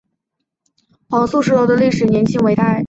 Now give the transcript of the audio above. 黄素石楼的历史年代为清。